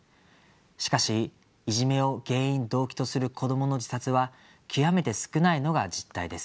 しかしいじめを原因・動機とする子どもの自殺は極めて少ないのが実態です。